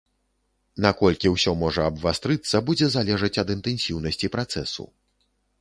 Наколькі ўсё можа абвастрыцца, будзе залежаць ад інтэнсіўнасці працэсу.